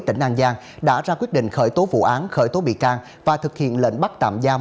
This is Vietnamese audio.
tỉnh an giang đã ra quyết định khởi tố vụ án khởi tố bị can và thực hiện lệnh bắt tạm giam